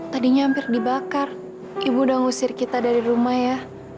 tadinya hampir dibakar ibu udah ngusir kita dari rumah ya